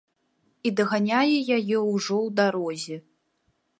І даганяе яе ўжо ў дарозе.